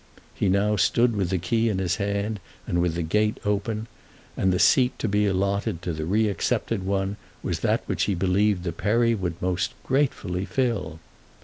He now stood with the key in his hand and the gate open, and the seat to be allotted to the re accepted one was that which he believed the Peri would most gratefully fill.